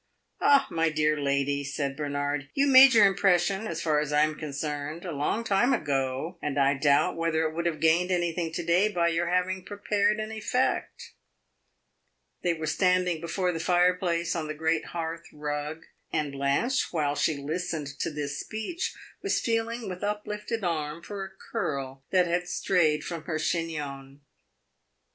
"Ah, my dear lady," said Bernard, "you made your impression as far as I am concerned a long time ago, and I doubt whether it would have gained anything to day by your having prepared an effect." They were standing before the fire place, on the great hearth rug, and Blanche, while she listened to this speech, was feeling, with uplifted arm, for a curl that had strayed from her chignon.